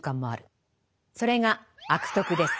それが「悪徳」です。